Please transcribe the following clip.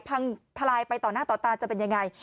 พังทลายไปต่อหน้าต่อตาจะเป็นยังไง